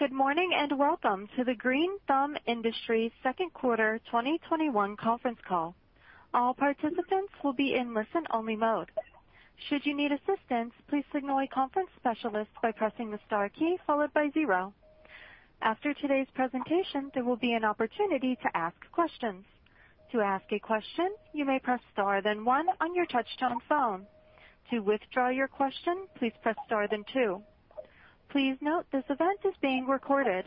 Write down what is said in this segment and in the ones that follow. Good morning, and welcome to the Green Thumb Industries second quarter 2021 conference call. All participants will be in listen-only mode. Should you need assistance, please signal a conference specialist by pressing the star key followed by zero. After today's presentation, there will be an opportunity to ask questions. To ask a question, you may press star, then one on your touchtone phone. To withdraw your question, please press star, then two. Please note, this event is being recorded.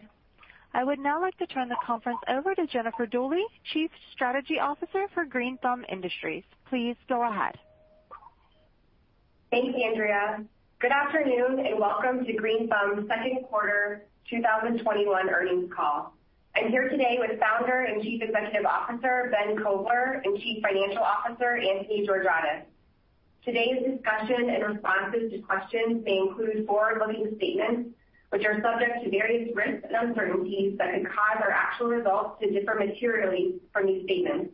I would now like to turn the conference over to Jennifer Dooley, Chief Strategy Officer for Green Thumb Industries. Please go ahead. Thanks, Andrea. Good afternoon, and welcome to Green Thumb second quarter 2021 earnings call. I'm here today with Founder and Chief Executive Officer, Ben Kovler, and Chief Financial Officer, Anthony Georgiadis. Today's discussion and responses to questions may include forward-looking statements, which are subject to various risks and uncertainties that could cause our actual results to differ materially from these statements.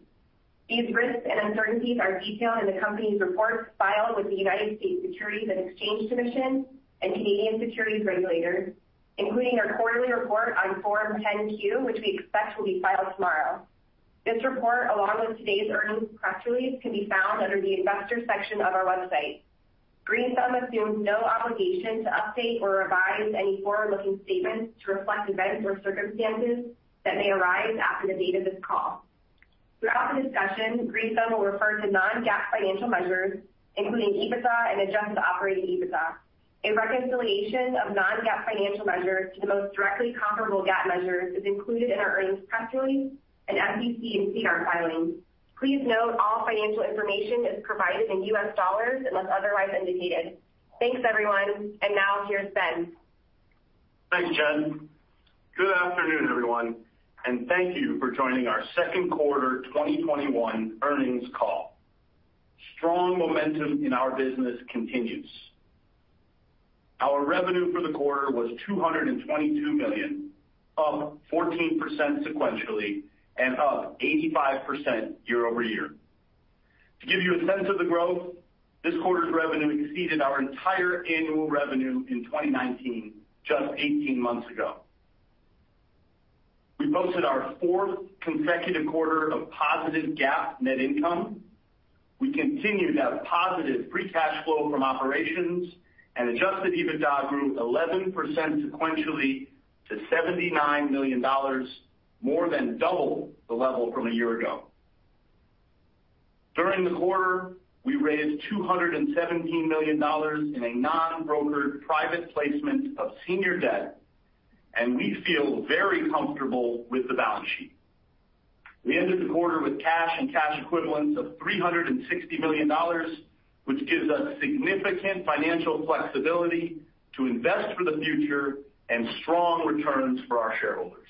These risks and uncertainties are detailed in the company's reports filed with the United States Securities and Exchange Commission and Canadian securities regulators, including our quarterly report on Form 10-Q, which we expect will be filed tomorrow. This report, along with today's earnings press release, can be found under the investor section of our website. Green Thumb assumes no obligation to update or revise any forward-looking statements to reflect events or circumstances that may arise after the date of this call. Throughout the discussion, Green Thumb will refer to non-GAAP financial measures, including EBITDA and adjusted operating EBITDA. A reconciliation of non-GAAP financial measures to the most directly comparable GAAP measure is included in our earnings press release and SEC and CSA filings. Please note all financial information is provided in U.S. dollars unless otherwise indicated. Thanks, everyone. Now, here's Ben. Thanks, Jen. Good afternoon, everyone, and thank you for joining our second quarter 2021 earnings call. Strong momentum in our business continues. Our revenue for the quarter was $222 million, up 14% sequentially and up 85% year-over-year. To give you a sense of the growth, this quarter's revenue exceeded our entire annual revenue in 2019, just 18 months ago. We posted our fourth consecutive quarter of positive GAAP net income. We continue to have positive free cash flow from operations, and adjusted EBITDA grew 11% sequentially to $79 million, more than double the level from a year ago. During the quarter, we raised $217 million in a non-brokered private placement of senior debt, and we feel very comfortable with the balance sheet. We ended the quarter with cash and cash equivalents of $360 million, which gives us significant financial flexibility to invest for the future and strong returns for our shareholders.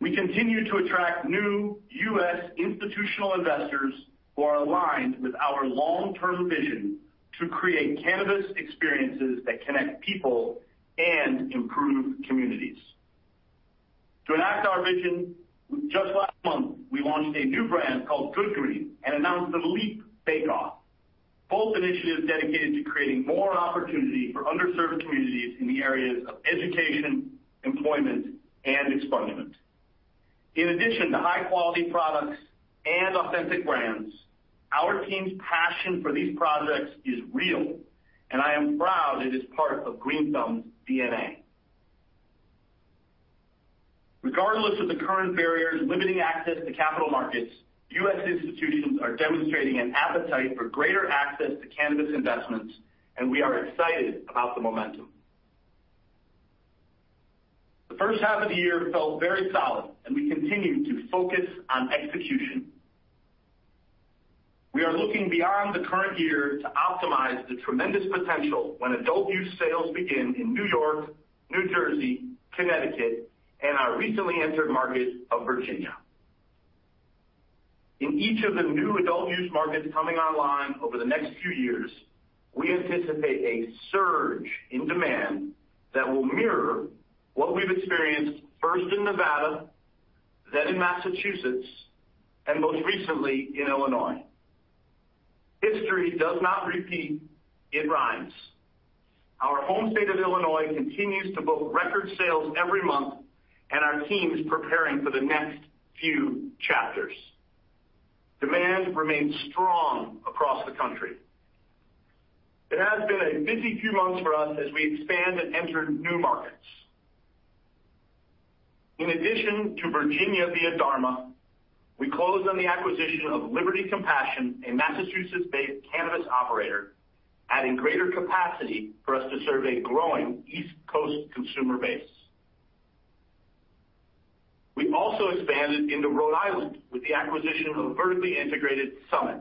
We continue to attract new U.S. institutional investors who are aligned with our long-term vision to create cannabis experiences that connect people and improve communities. To enact our vision, just last month, we launched a new brand called Good Green and announced the LEAP Bake Off, both initiatives dedicated to creating more opportunity for underserved communities in the areas of education, employment, and expungement. In addition to high-quality products and authentic brands, our team's passion for these projects is real, and I am proud it is part of Green Thumb's DNA. Regardless of the current barriers limiting access to capital markets, U.S. institutions are demonstrating an appetite for greater access to cannabis investments, and we are excited about the momentum. The first half of the year felt very solid, and we continue to focus on execution. We are looking beyond the current year to optimize the tremendous potential when adult use sales begin in New York, New Jersey, Connecticut, and our recently entered market of Virginia. In each of the new adult use markets coming online over the next few years, we anticipate a surge in demand that will mirror what we've experienced first in Nevada, then in Massachusetts, and most recently in Illinois. History does not repeat, it rhymes. Our home state of Illinois continues to book record sales every month, and our team is preparing for the next few chapters. Demand remains strong across the country. It has been a busy few months for us as we expand and enter new markets. In addition to Virginia via Dharma, we closed on the acquisition of Liberty Compassion, a Massachusetts-based cannabis operator, adding greater capacity for us to serve a growing East Coast consumer base. We also expanded into Rhode Island with the acquisition of a vertically integrated Summit.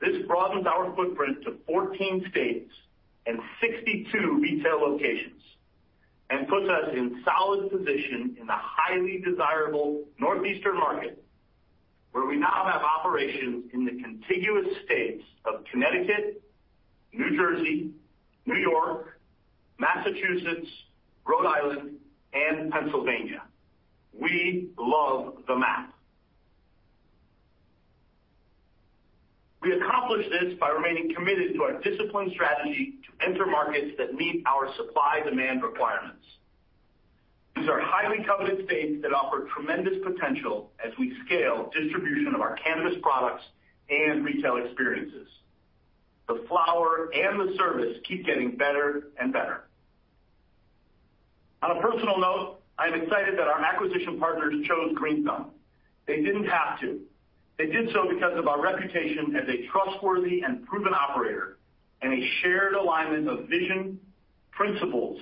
This broadens our footprint to 14 states and 62 retail locations and puts us in solid position in the highly desirable northeastern market, where we now have operations in the contiguous states of Connecticut, New Jersey, New York, Massachusetts, Rhode Island, and Pennsylvania. We love the map. We accomplished this by remaining committed to our disciplined strategy to enter markets that meet our supply-demand requirements. These are highly coveted states that offer tremendous potential as we scale distribution of our cannabis products and retail experiences. The flower and the service keep getting better and better. On a personal note, I am excited that our acquisition partners chose Green Thumb. They didn't have to. They did so because of our reputation as a trustworthy and proven operator, and a shared alignment of vision, principles,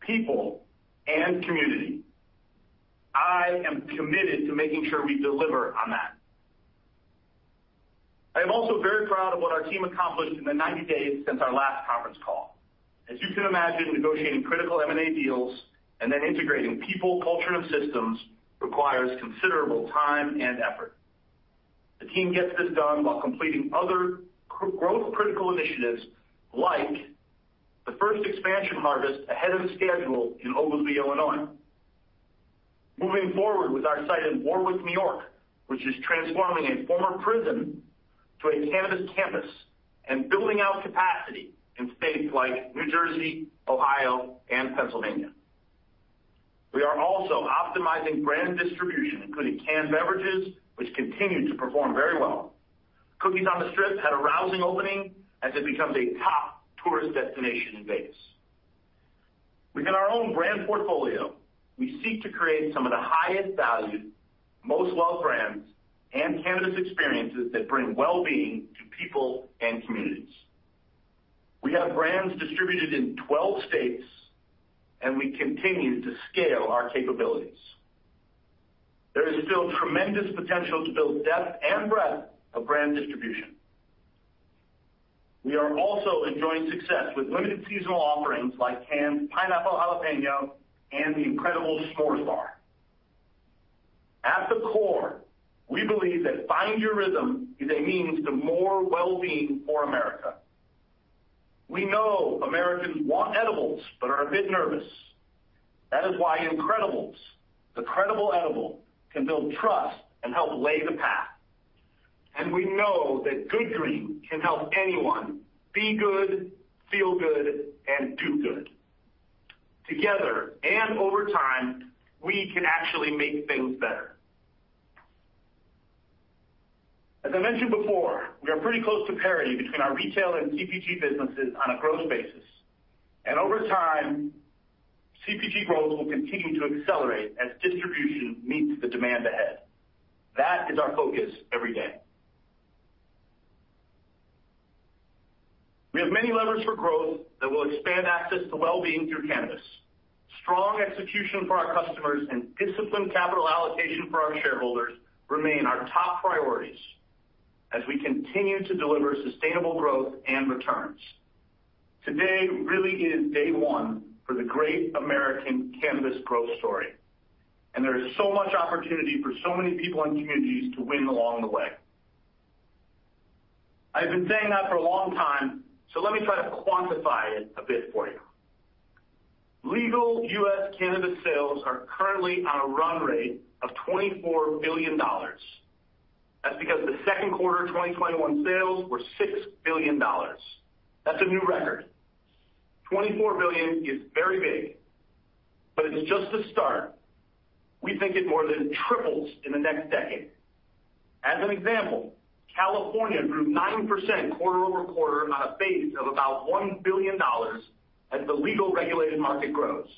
people, and community. I am committed to making sure we deliver on that. I am also very proud of what our team accomplished in the 90 days since our last conference call. As you can imagine, negotiating critical M&A deals and then integrating people, culture, and systems requires considerable time and effort. The team gets this done while completing other growth-critical initiatives, like the first expansion harvest ahead of schedule in Oglesby, Illinois. Moving forward with our site in Warwick, New York, which is transforming a former prison to a cannabis campus, and building out capacity in states like New Jersey, Ohio, and Pennsylvania. We are also optimizing brand distribution, including Cann beverages, which continue to perform very well. Cookies on the Strip had a rousing opening as it becomes a top tourist destination in Vegas. Within our own brand portfolio, we seek to create some of the highest-value, most well brands and cannabis experiences that bring well-being to people and communities. We have brands distributed in 12 states. We continue to scale our capabilities. There is still tremendous potential to build depth and breadth of brand distribution. We are also enjoying success with limited seasonal offerings like Cann Pineapple Jalapeno and the incredibles S'mores Bar. At the core, we believe that Find Your RYTHM is a means to more well-being for America. We know Americans want edibles. We are a bit nervous. That is why incredibles, the credible edible, can build trust and help lay the path. We know that Good Green can help anyone be good, feel good, and do good. Together, and over time, we can actually make things better. As I mentioned before, we are pretty close to parity between our retail and CPG businesses on a growth basis. Over time, CPG growth will continue to accelerate as distribution meets the demand ahead. That is our focus every day. We have many levers for growth that will expand access to well-being through cannabis. Strong execution for our customers and disciplined capital allocation for our shareholders remain our top priorities as we continue to deliver sustainable growth and returns. Today really is day one for the great American cannabis growth story, and there is so much opportunity for so many people and communities to win along the way. I have been saying that for a long time, let me try to quantify it a bit for you. Legal U.S. cannabis sales are currently on a run rate of $24 billion. That's because the second quarter 2021 sales were $6 billion. That's a new record. $24 billion is very big, but it's just the start. We think it more than triples in the next decade. As an example, California grew 9% quarter-over-quarter on a base of about $1 billion as the legal regulated market grows.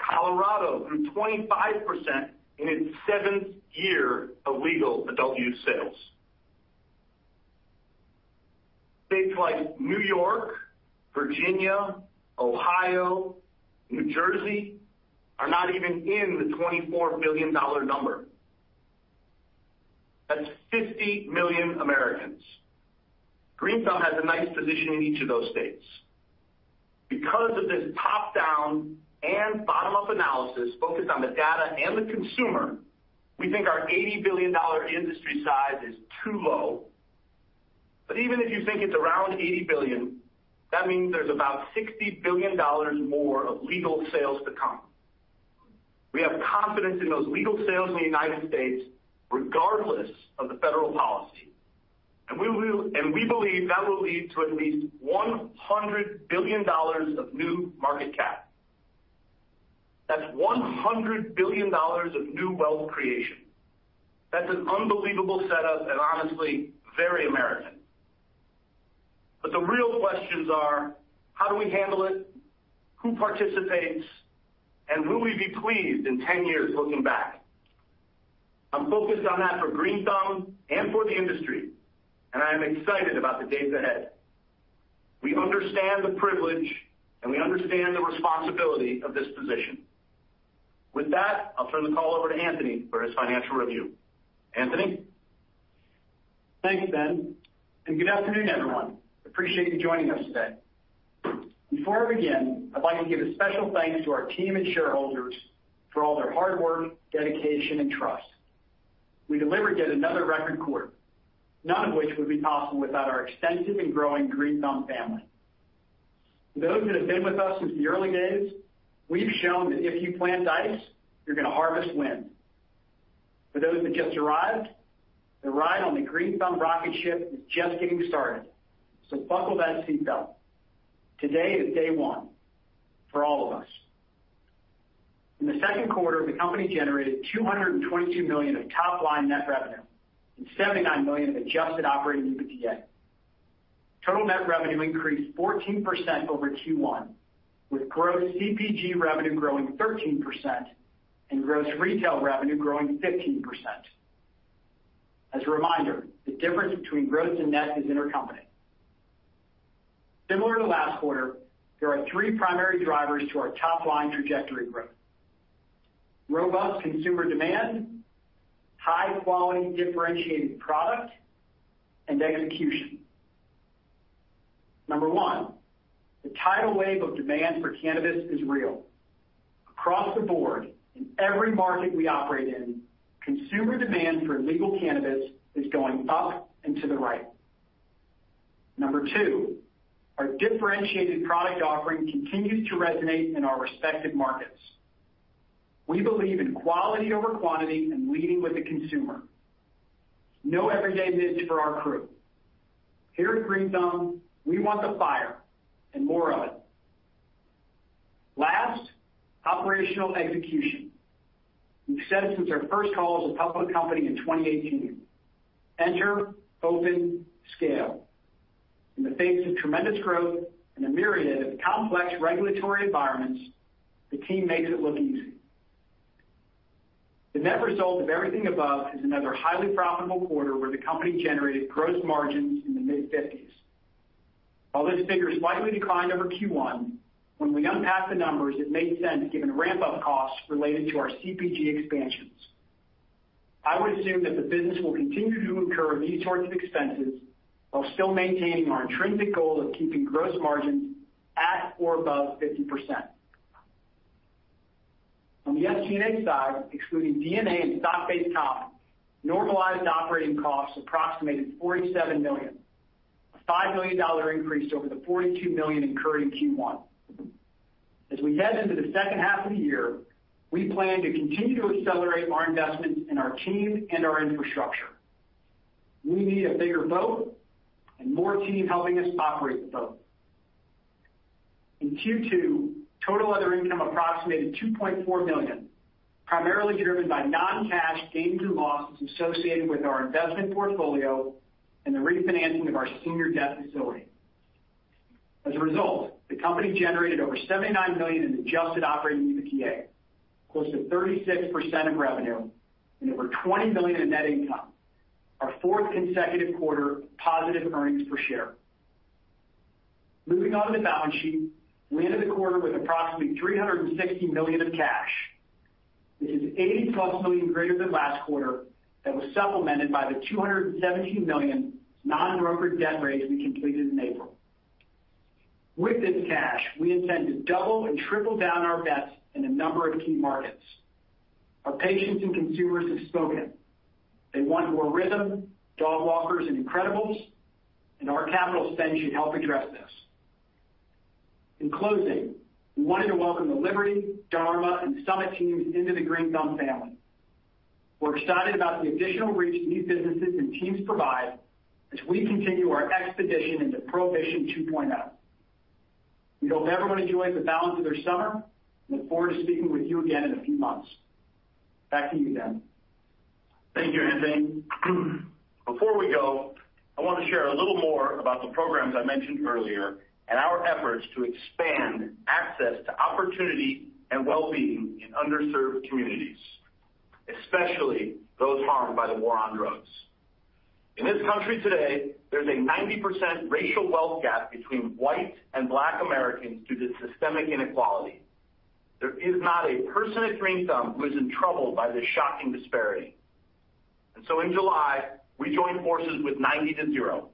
Colorado grew 25% in its seventh year of legal adult-use sales. States like New York, Virginia, Ohio, New Jersey are not even in the $24 billion number. That's 50 million Americans. Green Thumb has a nice position in each of those states. This top-down and bottom-up analysis focused on the data and the consumer, we think our $80 billion industry size is too low. Even if you think it's around $80 billion, that means there's about $60 billion more of legal sales to come. We have confidence in those legal sales in the U.S. regardless of the federal policy. We believe that will lead to at least $100 billion of new market cap. That's $100 billion of new wealth creation. That's an unbelievable setup and honestly, very American. The real questions are, how do we handle it? Who participates? Will we be pleased in 10 years looking back? I'm focused on that for Green Thumb and for the industry. I am excited about the days ahead. We understand the privilege. We understand the responsibility of this position. With that, I'll turn the call over to Anthony for his financial review. Anthony? Thanks, Ben. Good afternoon, everyone. Appreciate you joining us today. Before I begin, I'd like to give a special thanks to our team and shareholders for all their hard work, dedication, and trust. We delivered yet another record quarter, none of which would be possible without our extensive and growing Green Thumb family. For those that have been with us since the early days, we've shown that if you plant ice, you're going to harvest wind. For those that just arrived, the ride on the Green Thumb rocket ship is just getting started, so buckle that seatbelt. Today is day one for all of us. In the second quarter, the company generated $222 million of top-line net revenue and $79 million of adjusted operating EBITDA. Total net revenue increased 14% over Q1, with gross CPG revenue growing 13% and gross retail revenue growing 15%. As a reminder, the difference between gross and net is intercompany. Similar to last quarter, there are three primary drivers to our top-line trajectory growth. Robust consumer demand, high-quality differentiated product, and execution. Number one, the tidal wave of demand for cannabis is real. Across the board, in every market we operate in, consumer demand for legal cannabis is going up and to the right. Number two, our differentiated product offering continues to resonate in our respective markets. We believe in quality over quantity and leading with the consumer. No everyday mids for our crew. Here at Green Thumb, we want the fire and more of it. Last, operational execution. We've said since our first call as a public company in 2018, enter, open, scale. In the face of tremendous growth and a myriad of complex regulatory environments, the team makes it look easy. The net result of everything above is another highly profitable quarter where the company generated gross margins in the mid-50s. While this figure slightly declined over Q1, when we unpack the numbers, it made sense given ramp-up costs related to our CPG expansions. I would assume that the business will continue to incur these sorts of expenses while still maintaining our intrinsic goal of keeping gross margins at or above 50%. On the SG&A side, excluding D&A and stock-based comp, normalized operating costs approximated $47 million, a $5 million increase over the $42 million incurred in Q1. As we head into the second half of the year, we plan to continue to accelerate our investments in our team and our infrastructure. We need a bigger boat and more team helping us operate the boat. In Q2, total other income approximated $2.4 million, primarily driven by non-cash gains and losses associated with our investment portfolio and the refinancing of our senior debt facility. The company generated over $79 million in adjusted operating EBITDA, close to 36% of revenue, and over $20 million in net income, our fourth consecutive quarter positive earnings per share. Moving on to the balance sheet, we ended the quarter with approximately $360 million of cash. This is $80+ million greater than last quarter that was supplemented by the $217 million non-broker debt raise we completed in April. With this cash, we intend to double and triple down our bets in a number of key markets. Our patients and consumers have spoken. They want more RYTHM, Dogwalkers, and incredibles, our capital spend should help address this. In closing, we wanted to welcome the Liberty, Dharma, and Summit teams into the Green Thumb family. We're excited about the additional reach these businesses and teams provide as we continue our expedition into Prohibition 2.0. We hope everyone enjoys the balance of their summer and look forward to speaking with you again in a few months. Back to you, Ben. Thank you, Anthony. Before we go, I want to share a little more about the programs I mentioned earlier and our efforts to expand access to opportunity and well-being in underserved communities, especially those harmed by the war on drugs. In this country today, there's a 90% racial wealth gap between white and Black Americans due to systemic inequality. There is not a person at Green Thumb who isn't troubled by this shocking disparity. In July, we joined forces with NinetyToZero.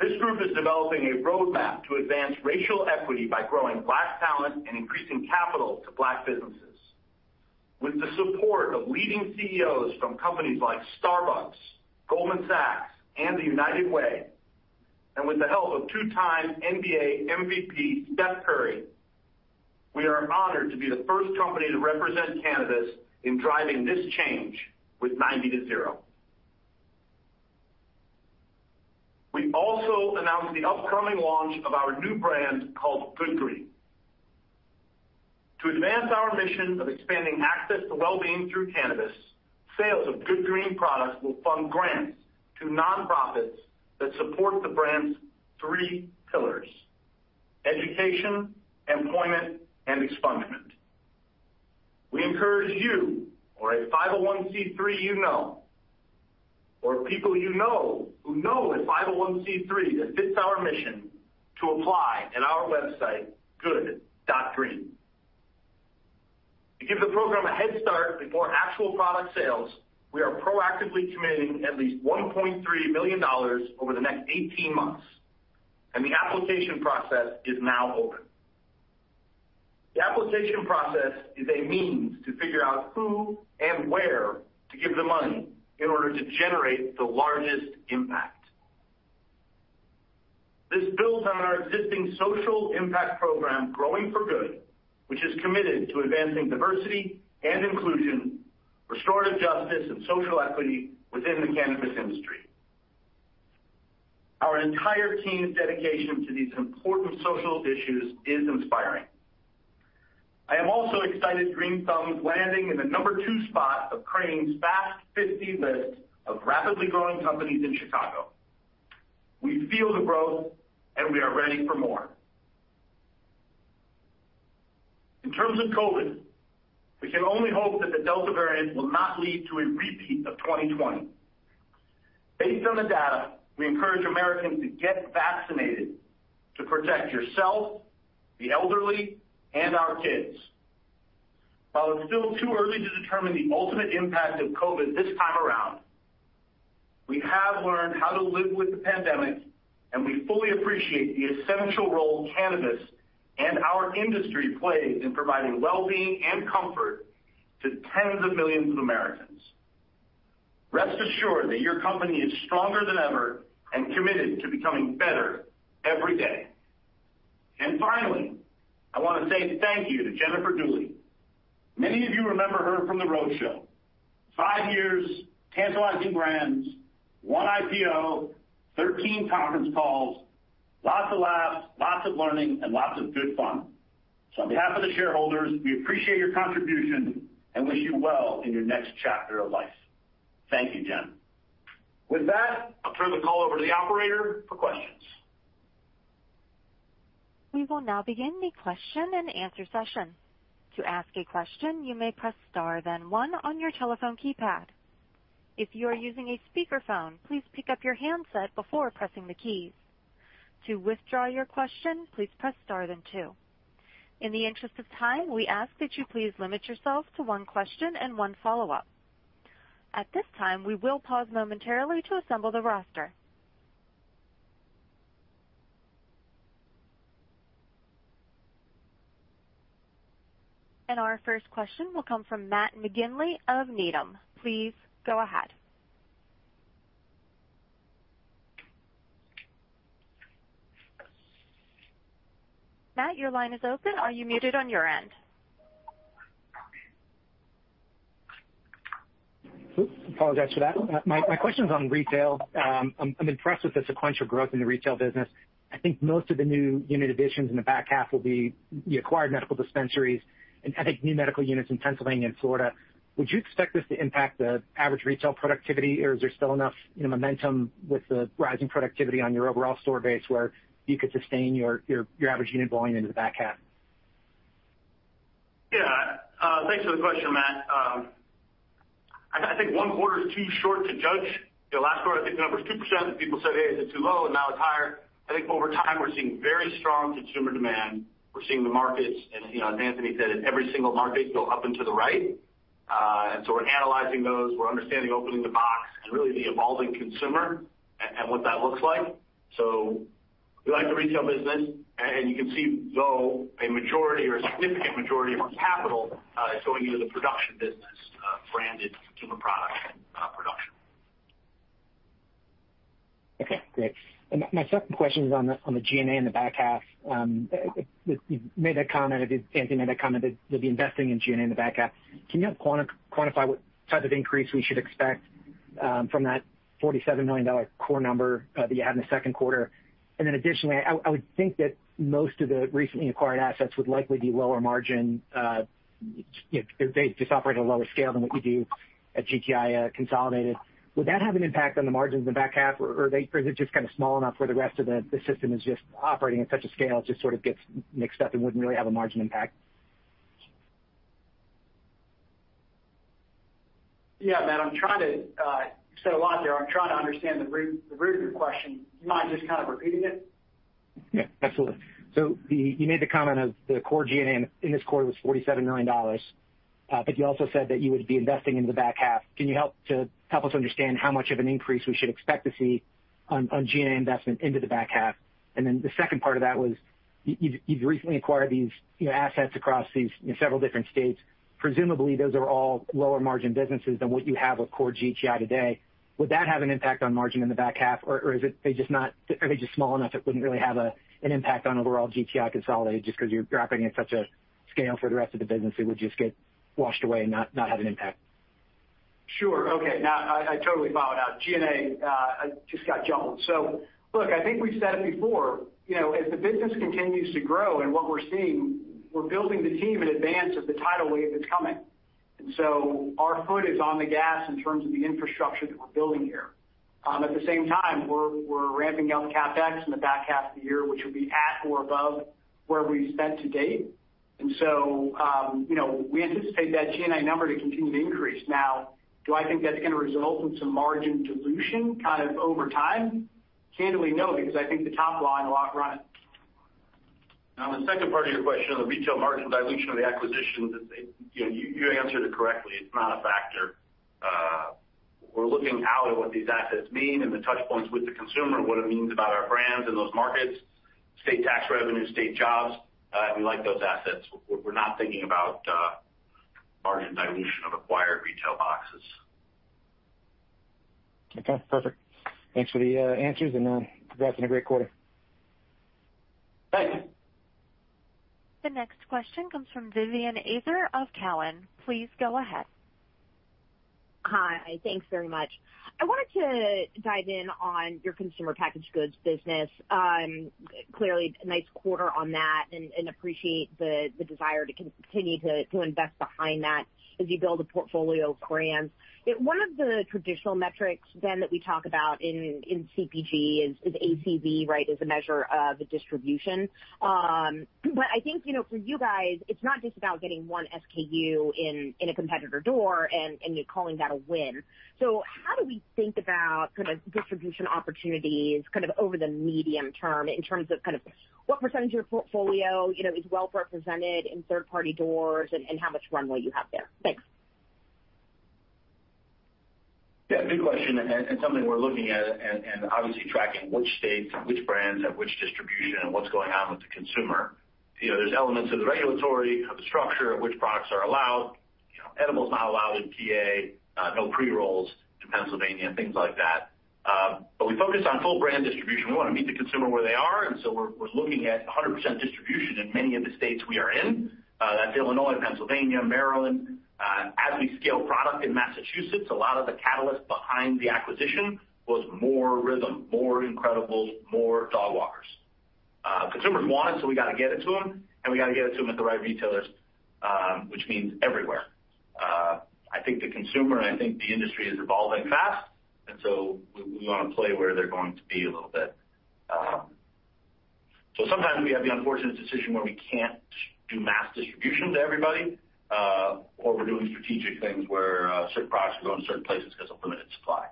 This group is developing a roadmap to advance racial equity by growing Black talent and increasing capital to Black businesses. With the support of leading CEOs from companies like Starbucks, Goldman Sachs, and the United Way, and with the help of two-time NBA MVP Steph Curry, we are honored to be the first company to represent cannabis in driving this change with NinetyToZero. We also announced the upcoming launch of our new brand called Good Green. To advance our mission of expanding access to well-being through cannabis, sales of Good Green products will fund grants to nonprofits that support the brand's three pillars: education, employment, and expungement. We encourage you, or a 501(c)(3) you know, or people you know who know a 501(c)(3) that fits our mission, to apply at our website good.green. To give the program a head start before actual product sales, we are proactively committing at least $1.3 million over the next 18 months, and the application process is now open. The application process is a means to figure out who and where to give the money in order to generate the largest impact. This builds on our existing social impact program, Growing for Good, which is committed to advancing diversity and inclusion, restorative justice, and social equity within the cannabis industry. Our entire team's dedication to these important social issues is inspiring. I am also excited Green Thumb's landing in the number two spot of Crain's Fast 50 list of rapidly growing companies in Chicago. We feel the growth. We are ready for more. In terms of COVID, we can only hope that the Delta variant will not lead to a repeat of 2020. Based on the data, we encourage Americans to get vaccinated to protect yourself, the elderly, and our kids. While it's still too early to determine the ultimate impact of COVID this time around, we have learned how to live with the pandemic, and we fully appreciate the essential role cannabis and our industry plays in providing wellbeing and comfort to tens of millions of Americans. Rest assured that your company is stronger than ever and committed to becoming better every day. Finally, I want to say thank you to Jennifer Dooley. Many of you remember her from "The Roadshow." Five years, tantalizing brands, one IPO, 13 conference calls, lots of laughs, lots of learning, and lots of good fun. On behalf of the shareholders, we appreciate your contribution and wish you well in your next chapter of life. Thank you, Jen. With that, I'll turn the call over to the operator for questions. We will now begin the question and answer session. To ask a question, you may press star then one on your telephone keypad. If you are using a speakerphone, please pick up your handset before pressing the keys. To withdraw your question, please press star then two. In the interest of time, we ask that you please limit yourself to one question and one follow-up. At this time, we will pause momentarily to assemble the roster. Our first question will come from Matt McGinley of Needham. Please go ahead. Matt, your line is open. Are you muted on your end? Oops, apologize for that. My question's on retail. I'm impressed with the sequential growth in the retail business. I think most of the new unit additions in the back half will be the acquired medical dispensaries and I think new medical units in Pennsylvania and Florida. Would you expect this to impact the average retail productivity, or is there still enough momentum with the rising productivity on your overall store base where you could sustain your average unit volume into the back half? Thanks for the question, Matt. I think one quarter is too short to judge. Last quarter, I think the number was 2%, and people said, "Hey, is it too low?" Now it's higher. I think over time, we're seeing very strong consumer demand. We're seeing the markets, and as Anthony said, every one single market go up and to the right. We're analyzing those. We're understanding opening the box and really the evolving consumer and what that looks like. We like the retail business, and you can see, though, a majority or a significant majority of our capital is going into the production business, branded consumer product and production. Okay, great. My second question is on the G&A in the back half. Anthony made that comment that they'll be investing in G&A in the back half. Can you help quantify what type of increase we should expect from that $47 million core number that you had in the second quarter? Additionally, I would think that most of the recently acquired assets would likely be lower margin. They just operate at a lower scale than what you do at GTI consolidated. Would that have an impact on the margins in the back half, or is it just kind of small enough where the rest of the system is just operating at such a scale, it just sort of gets mixed up and wouldn't really have a margin impact? Yeah, Matt, you said a lot there. I'm trying to understand the root of your question. Do you mind just kind of repeating it? Yeah, absolutely. You made the comment of the core G&A in this quarter was $47 million, but you also said that you would be investing in the back half. Can you help us understand how much of an increase we should expect to see on G&A investment into the back half? Then the second part of that was, you've recently acquired these assets across these several different states. Presumably, those are all lower margin businesses than what you have with core GTI today. Would that have an impact on margin in the back half, or are they just small enough it wouldn't really have an impact on overall GTI consolidated, just because you're dropping at such a scale for the rest of the business, it would just get washed away and not have an impact? Sure. Okay. No, I totally bowed out. G&A, I just got jumbled. Look, I think we've said it before. As the business continues to grow and what we're seeing, we're building the team in advance of the tidal wave that's coming. Our foot is on the gas in terms of the infrastructure that we're building here. At the same time, we're ramping up CapEx in the back half of the year, which will be at or above where we've spent to date. We anticipate that G&A number to continue to increase. Now, do I think that's going to result in some margin dilution kind of over time? Candidly, no, because I think the top line will outrun it. On the second part of your question, on the retail margin dilution of the acquisitions, you answered it correctly. It's not a factor. We're looking out at what these assets mean and the touch points with the consumer and what it means about our brands in those markets, state tax revenue, state jobs. We like those assets. We're not thinking about margin dilution of acquired retail boxes. Okay, perfect. Thanks for the answers, and congrats on a great quarter. Thank you. The next question comes from Vivien Azer of Cowen. Please go ahead. Hi. Thanks very much. I wanted to dive in on your consumer packaged goods business. Clearly, a nice quarter on that, and appreciate the desire to continue to invest behind that as you build a portfolio of brands. One of the traditional metrics then that we talk about in CPG is ACV, right, as a measure of distribution. I think, for you guys, it's not just about getting one SKU in a competitor door and you're calling that a win. How do we think about distribution opportunities over the medium term in terms of what percentage of your portfolio is well represented in third-party doors and how much runway you have there? Thanks. Good question, and something we're looking at, and obviously tracking which states and which brands have which distribution and what's going on with the consumer. There's elements of the regulatory, of the structure, of which products are allowed. Edibles not allowed in PA, no pre-rolls to Pennsylvania, things like that. We focus on full brand distribution. We want to meet the consumer where they are, we're looking at 100% distribution in many of the states we are in. That's Illinois, Pennsylvania, Maryland. As we scale product in Massachusetts, a lot of the catalyst behind the acquisition was more RYTHM, more incredibles, more Dogwalkers. Consumers want it, we got to get it to them, we got to get it to them at the right retailers, which means everywhere. I think the consumer and I think the industry is evolving fast, and so we want to play where they're going to be a little bit. Sometimes we have the unfortunate decision where we can't do mass distribution to everybody, or we're doing strategic things where certain products are going certain places because of limited supply.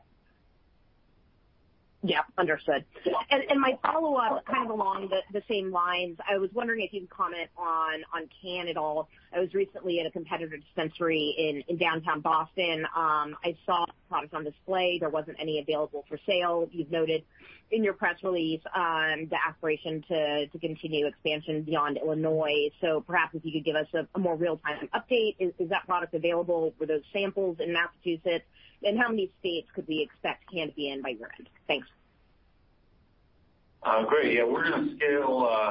Yep, understood. My follow-up, kind of along the same lines, I was wondering if you could comment on Cann at all. I was recently at a competitor dispensary in downtown Boston. I saw products on display. There wasn't any available for sale. You've noted in your press release the aspiration to continue expansion beyond Illinois. Perhaps if you could give us a more real-time update. Is that product available, were those samples in Massachusetts? How many states could we expect Cann to be in by year-end? Thanks. Great. Yeah, we're going to scale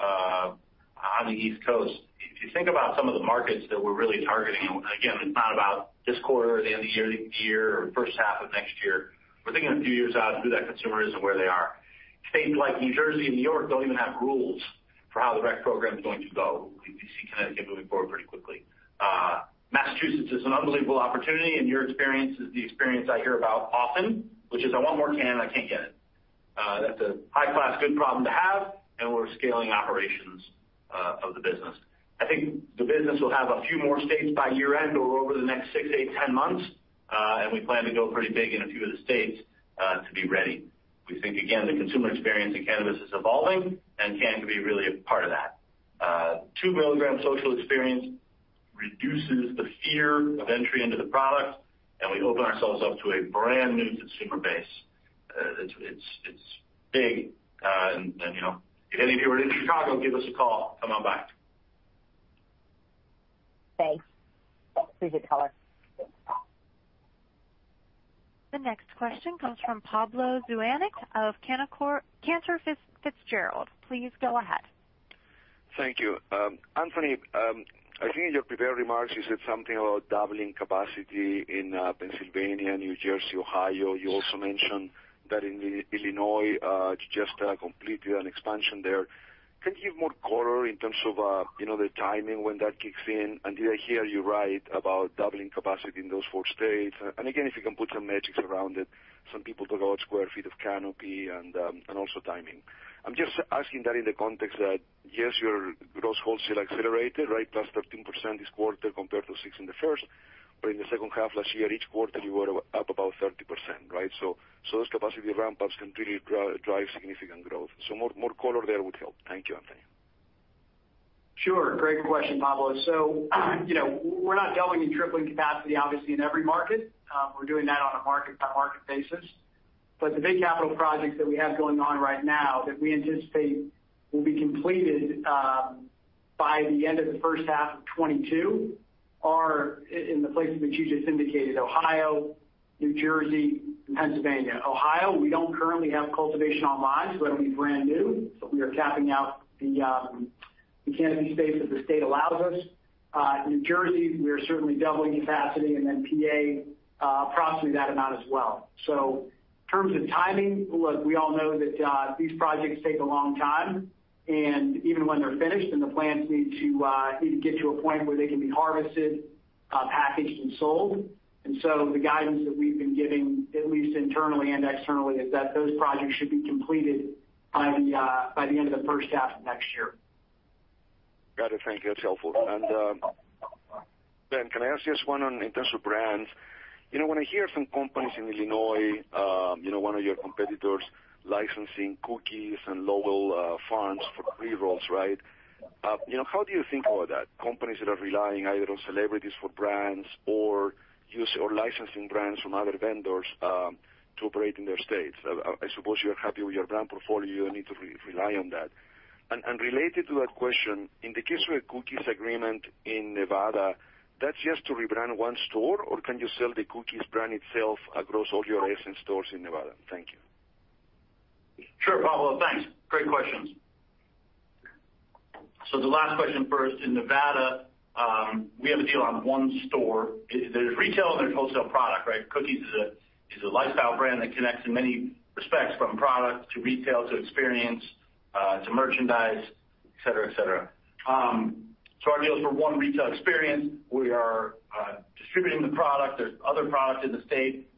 on the East Coast. If you think about some of the markets that we're really targeting, again, it's not about this quarter or the end of the year, or the first half of next year. We're thinking a few years out who that consumer is and where they are. States like New Jersey and New York don't even have rules for how the rec program's going to go. We see Connecticut moving forward pretty quickly. Massachusetts is an unbelievable opportunity, your experience is the experience I hear about often, which is, "I want more Cann, and I can't get it." That's a high-class good problem to have, we're scaling operations of the business. I think the business will have a few more states by year-end or over the next six, eight, 10 months. We plan to go pretty big in a few of the states to be ready. We think, again, the consumer experience in cannabis is evolving. Cann could be really a part of that. 2-mg social experience reduces the fear of entry into the product. We open ourselves up to a brand-new consumer base. It's big. If any of you are in Chicago, give us a call. Come on by. Thanks. Appreciate the color. The next question comes from Pablo Zuanic of Cantor Fitzgerald. Please go ahead. Thank you. Anthony, I think in your prepared remarks, you said something about doubling capacity in Pennsylvania, New Jersey, Ohio. You also mentioned that in Illinois, you just completed an expansion there. Can you give more color in terms of the timing when that kicks in? Did I hear you right about doubling capacity in those four states? Again, if you can put some metrics around it, some people talk about square feet of canopy and also timing. I'm just asking that in the context that, yes, your gross wholesale accelerated, right? Plus 13% this quarter compared to six in the first, but in the second half last year, each quarter you were up about 30%, right? Those capacity ramp-ups can really drive significant growth. More color there would help. Thank you, Anthony. Sure. Great question, Pablo. We're not doubling and tripling capacity, obviously, in every market. We're doing that on a market-by-market basis. The big capital projects that we have going on right now that we anticipate will be completed by the end of the first half of 2022 are in the places that you just indicated, Ohio, New Jersey, and Pennsylvania. Ohio, we don't currently have cultivation online, that'll be brand new. We are capping out the canopy space that the state allows us. New Jersey, we are certainly doubling capacity, and then PA, approximately that amount as well. In terms of timing, look, we all know that these projects take a long time, and even when they're finished, then the plants need to get to a point where they can be harvested, packaged, and sold. The guidance that we've been giving, at least internally and externally, is that those projects should be completed by the end of the first half of next year. Got it. Thank you. That's helpful. Ben, can I ask you just one on in terms of brands. When I hear from companies in Illinois, one of your competitors licensing Cookies and local farms for pre-rolls, right? How do you think about that? Companies that are relying either on celebrities for brands or licensing brands from other vendors, to operate in their states. I suppose you're happy with your brand portfolio, you don't need to rely on that. Related to that question, in the case of a Cookies agreement in Nevada, that's just to rebrand one store, or can you sell the Cookies brand itself across all your licensed stores in Nevada? Thank you. Sure, Pablo. Thanks. Great questions. The last question first. In Nevada, we have a deal on one store. There's retail and there's wholesale product, right? Cookies is a lifestyle brand that connects in many respects from product to retail to experience, to merchandise, et cetera. Our deal is for one retail experience. We are distributing the product. There's other product in the state,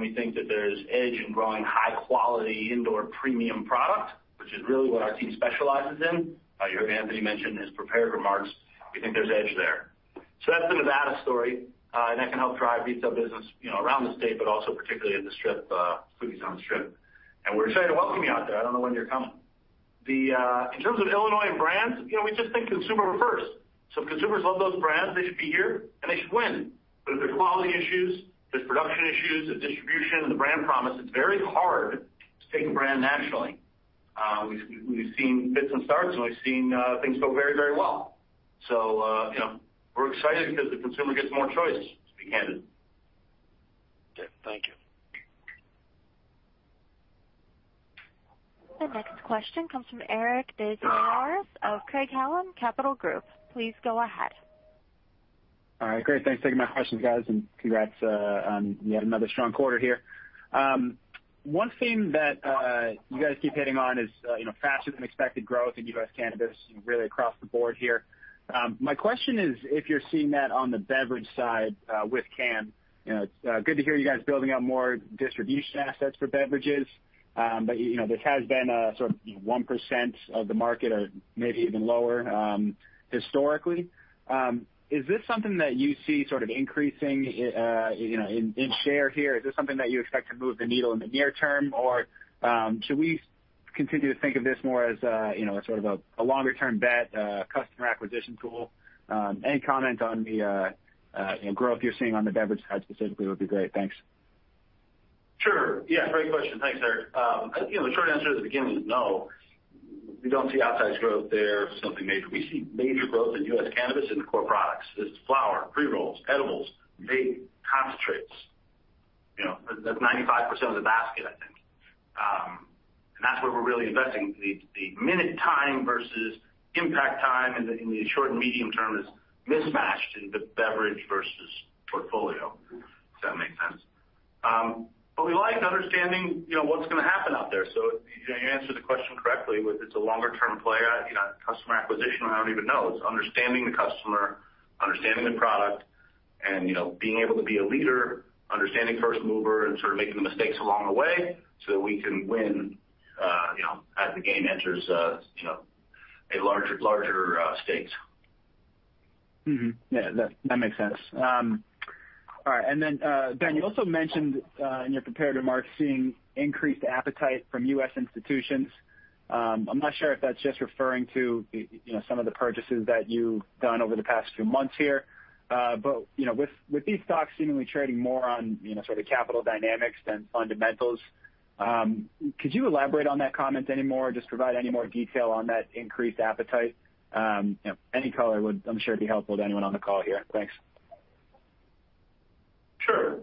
we think that there's edge in growing high-quality indoor premium product, which is really what our team specializes in. You heard Anthony mention in his prepared remarks, we think there's edge there. That's the Nevada story, that can help drive retail business around the state, but also particularly in the Strip, Cookies on the Strip. We're excited to welcome you out there. I don't know when you're coming. In terms of Illinois and brands, we just think consumer first. If consumers love those brands, they should be here and they should win. If there's quality issues, there's production issues, there's distribution and the brand promise, it's very hard to take a brand nationally. We've seen fits and starts, and we've seen things go very well. We're excited because the consumer gets more choice, to be candid. Okay. Thank you. The next question comes from Eric Des Lauriers of Craig-Hallum Capital Group. Please go ahead. All right, great. Thanks for taking my questions, guys, and congrats on yet another strong quarter here. One theme that you guys keep hitting on is faster than expected growth in U.S. cannabis really across the board here. My question is if you're seeing that on the beverage side with Cann. Good to hear you guys building out more distribution assets for beverages. This has been sort of 1% of the market or maybe even lower, historically. Is this something that you see sort of increasing in share here? Is this something that you expect to move the needle in the near term, or should we continue to think of this more as a sort of a longer-term bet, customer acquisition tool? Any comment on the growth you're seeing on the beverage side specifically would be great. Thanks. Sure. Yeah, great question. Thanks, Eric. The short answer at the beginning is no, we don't see outsized growth there for something major. We see major growth in U.S. cannabis in the core products. It's flower, pre-rolls, edibles, vape, concentrates. That's 95% of the basket, I think. That's where we're really investing. The minute time versus impact time in the short and medium term is mismatched in the beverage versus portfolio, if that makes sense. We like understanding what's going to happen out there. You answered the question correctly with it's a longer-term play on customer acquisition. I don't even know. It's understanding the customer, understanding the product, and being able to be a leader, understanding first mover, and sort of making the mistakes along the way so that we can win as the game enters a larger stage. Mm-hmm. Yeah, that makes sense. All right, Ben, you also mentioned, in your prepared remarks, seeing increased appetite from U.S. institutions. I'm not sure if that's just referring to some of the purchases that you've done over the past few months here. With these stocks seemingly trading more on sort of capital dynamics than fundamentals, could you elaborate on that comment anymore? Just provide any more detail on that increased appetite? Any color would, I'm sure, be helpful to anyone on the call here. Thanks. Sure.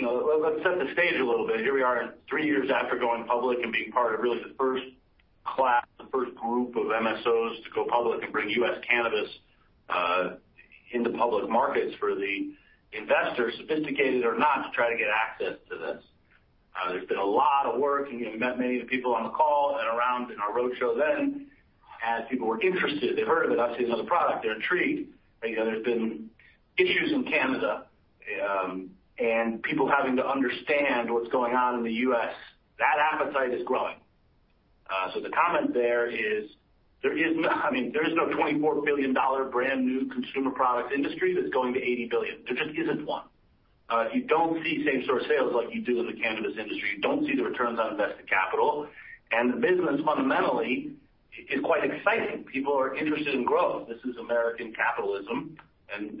Let's set the stage a little bit. Here we are three years after going public and being part of really the first class, the first group of MSOs to go public and bring U.S. cannabis into public markets for the investors, sophisticated or not, to try to get access to this. There's been a lot of work, you met many of the people on the call and around in our roadshow then, as people were interested. They've heard of it. I've seen another product. They're intrigued. There's been issues in Canada, and people having to understand what's going on in the U.S. That appetite is growing. The comment there is there is no $24 billion brand new consumer products industry that's going to $80 billion. There just isn't one. You don't see the same sort of sales like you do in the cannabis industry. You don't see the returns on invested capital, and the business fundamentally is quite exciting. People are interested in growth. This is American capitalism, and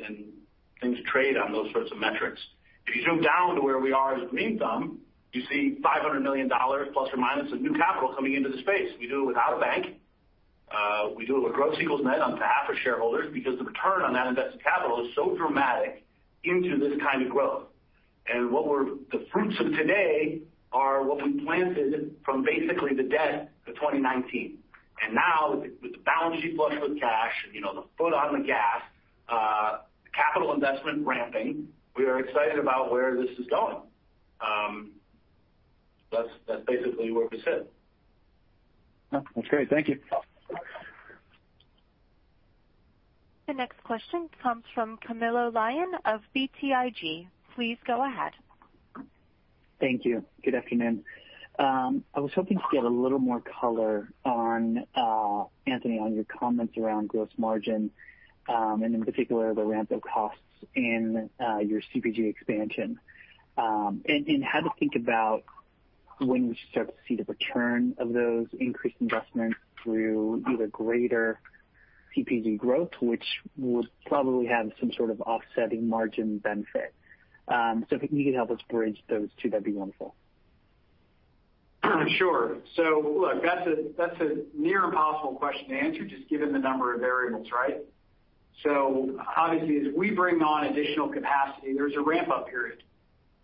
things trade on those sorts of metrics. If you zoom down to where we are as Green Thumb, you see $500 million ± of new capital coming into the space. We do it without a bank. We do it with growth equals net on behalf of shareholders because the return on that invested capital is so dramatic into this kind of growth. The fruits of today are what we planted from basically the debt of 2019. Now, with the balance sheet flush with cash, the foot on the gas, capital investment ramping, we are excited about where this is going. That's basically where we sit. That's great. Thank you. The next question comes from Camilo Lyon of BTIG. Please go ahead. Thank you. Good afternoon. I was hoping to get a little more color, Anthony, on your comments around gross margin, and in particular, the ramp-up costs in your CPG expansion. How to think about when we start to see the return of those increased investments through either greater CPG growth, which would probably have some sort of offsetting margin benefit. If you could help us bridge those two, that'd be wonderful. Look, that's a near impossible question to answer, just given the number of variables, right? Obviously, as we bring on additional capacity, there's a ramp-up period.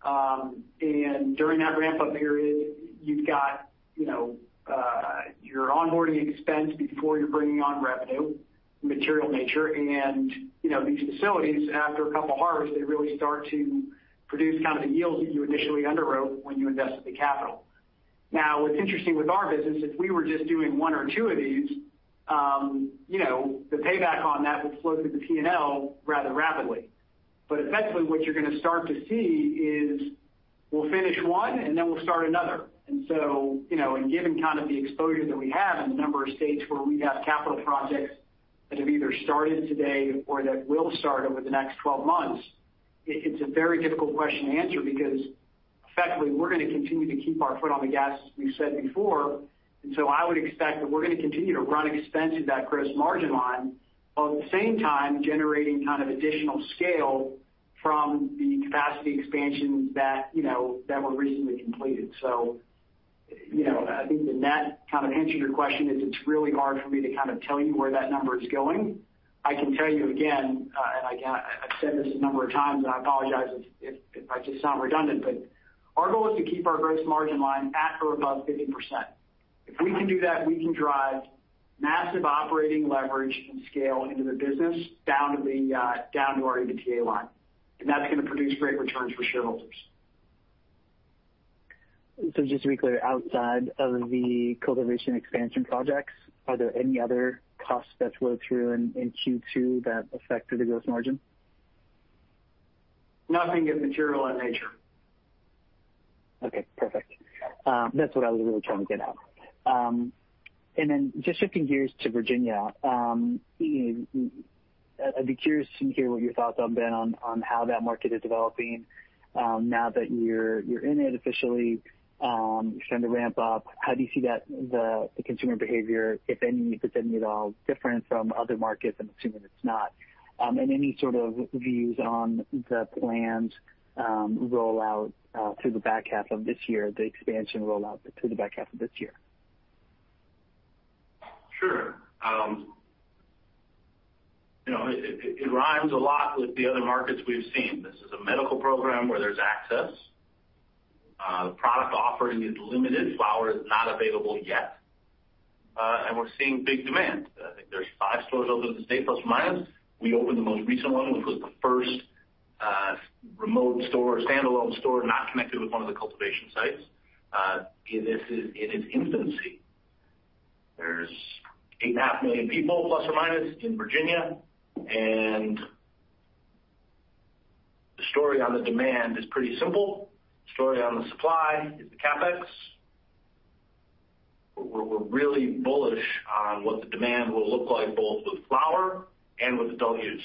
During that ramp-up period, you've got your onboarding expense before you're bringing on revenue, material in nature. These facilities, after a couple of harvests, they really start to produce the yields that you initially underwrote when you invested the capital. Now, what's interesting with our business, if we were just doing one or two of these, the payback on that would flow through the P&L rather rapidly. Effectively, what you're going to start to see is we'll finish one, and then we'll start another. Given the exposure that we have and the number of states where we have capital projects that have either started today or that will start over the next 12 months, it's a very difficult question to answer because effectively, we're going to continue to keep our foot on the gas, as we've said before. I would expect that we're going to continue to run expense through that gross margin line, while at the same time, generating additional scale from the capacity expansions that were recently completed. I think that that kind of answers your question. It's really hard for me to tell you where that number is going. I can tell you again, and I've said this a number of times, and I apologize if I sound redundant, but our goal is to keep our gross margin line at or above 50%. If we can do that, we can drive massive operating leverage and scale into the business down to our EBITDA line, and that's going to produce great returns for shareholders. Just to be clear, outside of the cultivation expansion projects, are there any other costs that flow through in Q2 that affected the gross margin? Nothing of material in nature. Okay, perfect. That's what I was really trying to get at. Then just shifting gears to Virginia, I'd be curious to hear what your thoughts have been on how that market is developing now that you're in it officially. You're starting to ramp up. How do you see the consumer behavior, if any, if it's any at all, different from other markets, I'm assuming it's not? Any sort of views on the planned rollout through the back half of this year, the expansion rollout through the back half of this year? Sure. It rhymes a lot with the other markets we've seen. This is a medical program where there's access. The product offering is limited. Flower is not available yet. We're seeing big demand. I think there's five stores open in the state, plus or minus. We opened the most recent one, which was the first remote store, standalone store, not connected with one of the cultivation sites. It is in its infancy. There's 8.5 million people, plus or minus, in Virginia, the story on the demand is pretty simple. The story on the supply is the CapEx. We're really bullish on what the demand will look like, both with flower and with adult use.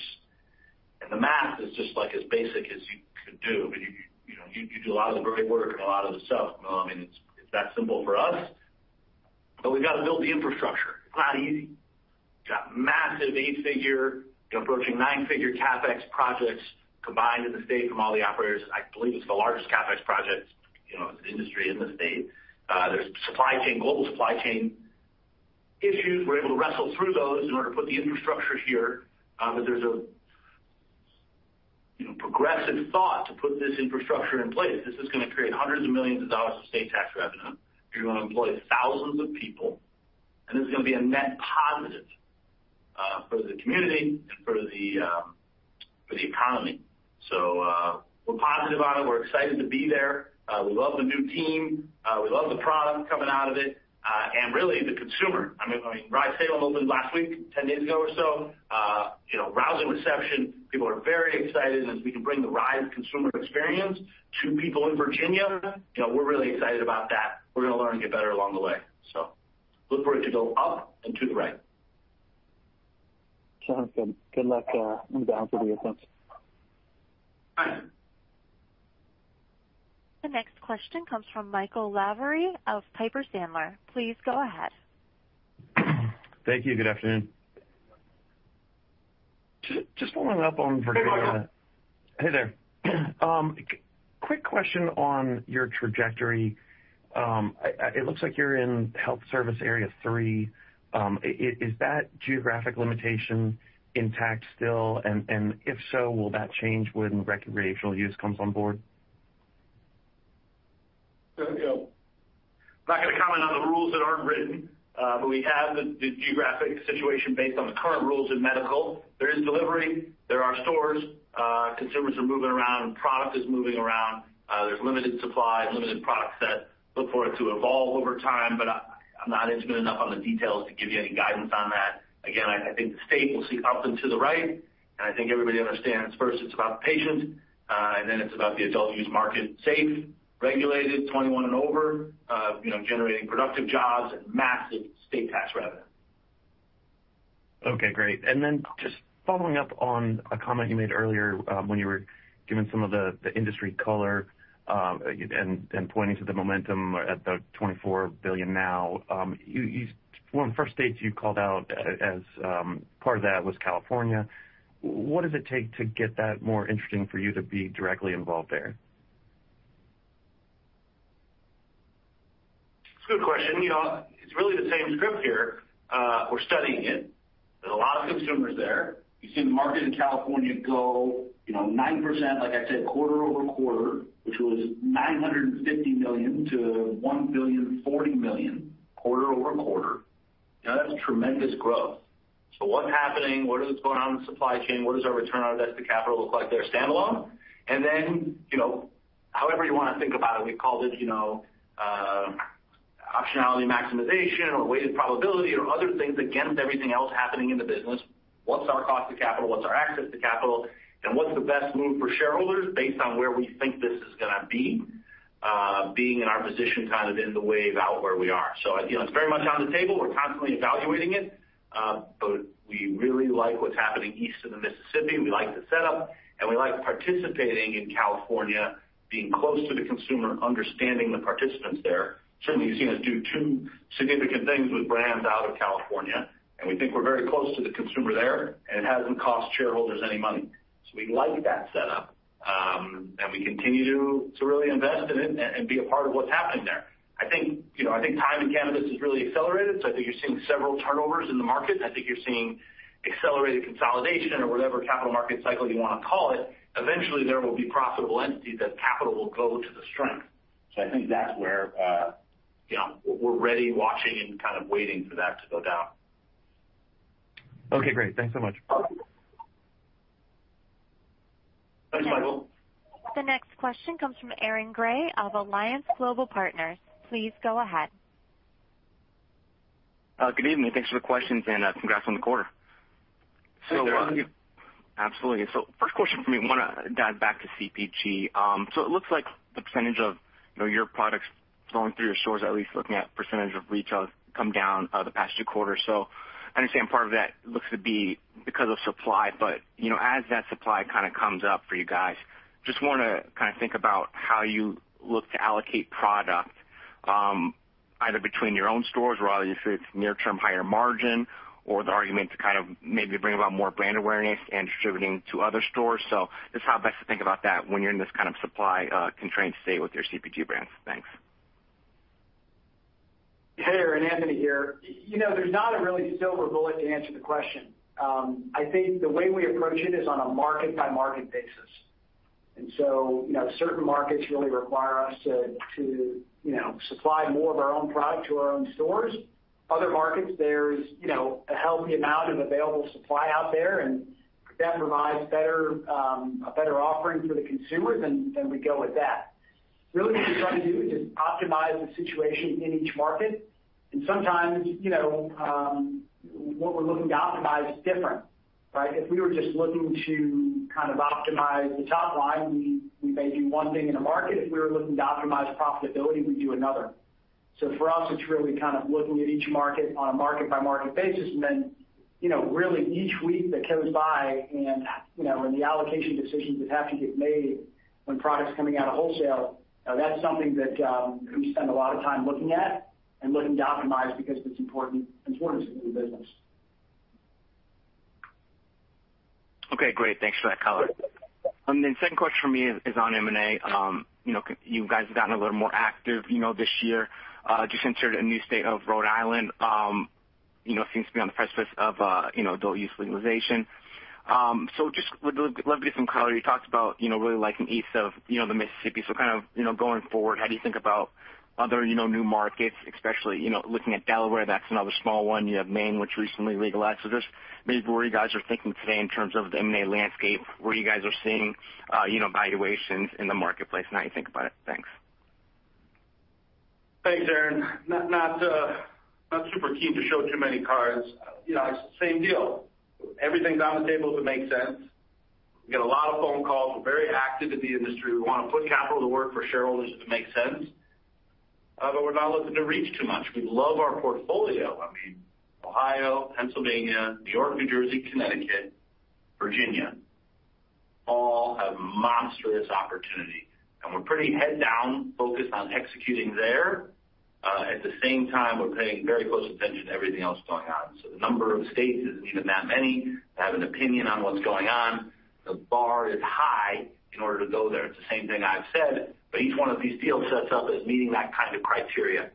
The math is just as basic as you could do. I mean, you do a lot of the brainwork and a lot of the stuff. I mean, it's that simple for us. We've got to build the infrastructure. It's not easy. We've got massive eight-figure, approaching nine-figure CapEx projects combined in the state from all the operators. I believe it's the largest CapEx project as an industry in the state. There's global supply chain issues. We're able to wrestle through those in order to put the infrastructure here. There's a progressive thought to put this infrastructure in place. This is going to create hundreds of millions dollars of state tax revenue. You're going to employ thousands of people, and this is going to be a net positive for the community and for the economy. We're positive on it. We're excited to be there. We love the new team. We love the product coming out of it, and really, the consumer. I mean, RYTHM opened last week, 10 days ago or so. Rousing reception. People are very excited. As we can bring the RYTHM consumer experience to people in Virginia, we're really excited about that. We're going to learn and get better along the way. Look for it to go up and to the right. Sounds good. Good luck down through the offense. The next question comes from Michael Lavery of Piper Sandler. Please go ahead. Thank you. Good afternoon. Just following up on Virginia. Hey there. Quick question on your trajectory. It looks like you're in health service area three. Is that geographic limitation intact still? If so, will that change when recreational use comes on board? I'm not going to comment on the rules that aren't written, but we have the geographic situation based on the current rules in medical. There is delivery. There are stores. Consumers are moving around, and product is moving around. There's limited supply, limited product set. Look for it to evolve over time. I'm not intimate enough on the details to give you any guidance on that. Again, I think the state will see up and to the right, and I think everybody understands, first it's about the patient, and then it's about the adult use market, safe, regulated, 21 and over, generating productive jobs and massive state tax revenue. Okay, great. Just following up on a comment you made earlier, when you were giving some of the industry color, and pointing to the momentum at the $24 billion now. One of the first states you called out as part of that was California. What does it take to get that more interesting for you to be directly involved there? It's a good question. It's really the same script here. We're studying it. There's a lot of consumers there. You've seen the market in California go 9%, like I said, quarter-over-quarter, which was $950 million to $1.04 billion, quarter-over-quarter. That's tremendous growth. What's happening? What is going on in the supply chain? What does our return on invested capital look like there, standalone? Then, however you want to think about it, we called it optionality maximization or weighted probability or other things against everything else happening in the business. What's our cost of capital? What's our access to capital? What's the best move for shareholders based on where we think this is going to be, being in our position kind of in the wave out where we are. It's very much on the table. We're constantly evaluating it. We really like what's happening east of the Mississippi. We like the setup, and we like participating in California, being close to the consumer, understanding the participants there. Certainly, you've seen us do two significant things with brands out of California, and we think we're very close to the consumer there, and it hasn't cost shareholders any money. We like that setup, and we continue to really invest in it and be a part of what's happening there. I think time in cannabis has really accelerated, so I think you're seeing several turnovers in the market, and I think you're seeing accelerated consolidation or whatever capital market cycle you want to call it. Eventually, there will be profitable entities that capital will go to the strength. I think that's where we're ready, watching, and kind of waiting for that to go down. Okay, great. Thanks so much. Thanks, Michael. The next question comes from Aaron Grey of Alliance Global Partners. Please go ahead. Good evening. Thanks for the questions, and congrats on the quarter. Thanks, Aaron. How are you? Absolutely. First question from me, want to dive back to CPG. It looks like the percentage of your products flowing through your stores, at least looking at percentage of retail, have come down over the past few quarters. I understand part of that looks to be because of supply. As that supply kind of comes up for you guys, just want to think about how you look to allocate product, either between your own stores, or whether you feel it's near-term higher margin or the argument to maybe bring about more brand awareness and distributing to other stores. Just how I'd like to think about that when you're in this kind of supply-constrained state with your CPG brands. Thanks. Hey, Aaron. Anthony here. There's not a really silver bullet to answer the question. I think the way we approach it is on a market-by-market basis. Certain markets really require us to supply more of our own product to our own stores. Other markets, there's a healthy amount of available supply out there, and if that provides a better offering for the consumer, then we go with that. Really, what we try to do is just optimize the situation in each market. Sometimes, what we're looking to optimize is different, right? If we were just looking to kind of optimize the top line, we may do one thing in a market. If we were looking to optimize profitability, we'd do another. For us, it's really kind of looking at each market on a market-by-market basis and then really each week that goes by and the allocation decisions that have to get made when product's coming out of wholesale, that's something that we spend a lot of time looking at and looking to optimize because it's important to the business. Okay, great. Thanks for that color. Then second question for me is on M&A. You guys have gotten a little more active this year. Just entered a new state of Rhode Island. Seems to be on the precipice of adult use legalization. Just would love to get some color. You talked about really liking east of the Mississippi. Kind of going forward, how do you think about other new markets, especially looking at Delaware, that's another small one. You have Maine, which recently legalized. Just maybe where you guys are thinking today in terms of the M&A landscape, where you guys are seeing valuations in the marketplace and how you think about it. Thanks. Thanks, Aaron. Not super keen to show too many cards. It's the same deal. Everything's on the table if it makes sense. We get a lot of phone calls. We're very active in the industry. We want to put capital to work for shareholders if it makes sense. We're not looking to reach too much. We love our portfolio. I mean, Ohio, Pennsylvania, New York, New Jersey, Connecticut, Virginia, all have monstrous opportunity. We're pretty head down focused on executing there. At the same time, we're paying very close attention to everything else going on. The number of states isn't even that many. I have an opinion on what's going on. The bar is high in order to go there. It's the same thing I've said, but each one of these deals sets up as meeting that kind of criteria.